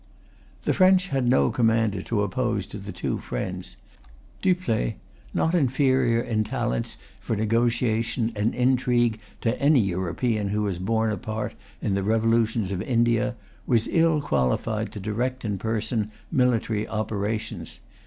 The French had no commander to oppose to the two friends. Dupleix, not inferior in talents for negotiation and intrigue to any European who has borne a part in the revolutions of India, was ill qualified to direct in person military operations.